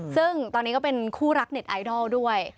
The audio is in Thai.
ซึ่งตอนนี้ก็เป็นคู่รักเน็ตไอดอลด้วย